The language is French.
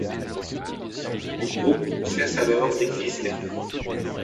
Le groupe cesse alors d'exister.